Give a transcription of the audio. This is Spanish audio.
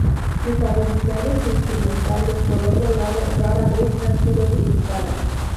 Sus habilidades instrumentales, por otro lado, rara vez han sido criticadas.